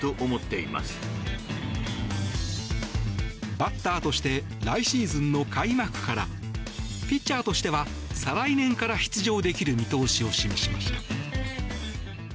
バッターとして来シーズンの開幕からピッチャーとしては再来年から出場できる見通しを示しました。